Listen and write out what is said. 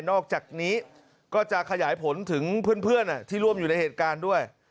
อกจากนี้ก็จะขยายผลถึงเพื่อนที่ร่วมอยู่ในเหตุการณ์ด้วย